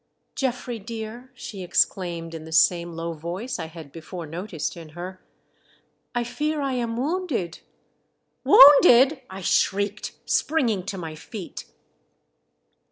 " Geoffrey, dear," she exclaimed, in the same low voice I had before noticed in her, I fear I am wounded." "Wounded!" I shrieked, springing to my feet.